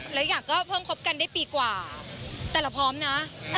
หลายอย่างก็เพิ่งคบกันได้ปีกว่าแต่เราพร้อมนะ